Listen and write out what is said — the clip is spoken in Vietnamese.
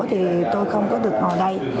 thì tôi không có được ngồi đây